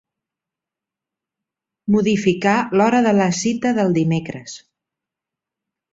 Modificar l'hora de la cita del dimecres.